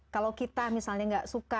kalau kita misalnya nggak suka